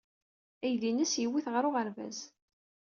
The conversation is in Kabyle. Aydi-nnes yewwi-t ɣer uɣerbaz.